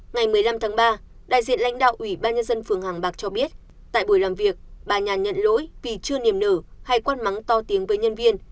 ngày một mươi năm tháng ba đại diện lãnh đạo ủy ban nhân dân phường hàng bạc cho biết tại buổi làm việc bà nhàn nhận lỗi vì chưa niềm nở hay quan mắng to tiếng với nhân viên